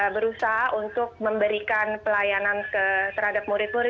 berusaha untuk memberikan pelayanan terhadap murid murid